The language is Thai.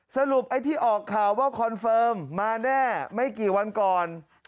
สรุปไอ้ที่ออกข่าวว่าคอนเฟิร์มมาแน่ไม่กี่วันก่อน